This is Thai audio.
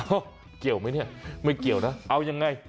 เกี่ยวไหมเนี่ยไม่เกี่ยวนะเอายังไง